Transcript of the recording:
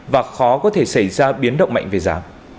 và khó có thể xảy ra biến động mạnh về giá